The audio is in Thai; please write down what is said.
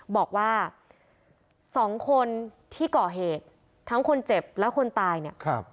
บอกว่าสองคนที่เกาะเหตุทั้งคนเจ็บและคนตายเนี่ยครับ